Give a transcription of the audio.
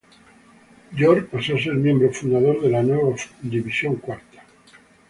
York pasó a ser miembro fundador de la nueva Fourth Division.